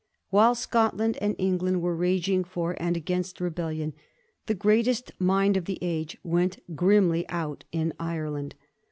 While Scotland and England were raging for and against rebellion, the greatest mind of the age went grim ly out in Irieland.